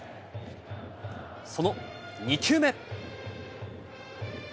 その２球目。